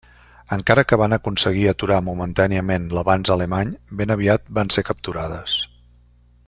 Encara que van aconseguir aturar momentàniament l'avanç alemany, ben aviat van ser capturades.